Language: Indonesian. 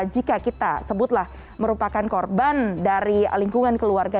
jika kita sebutlah merupakan korban dari lingkungan keluarga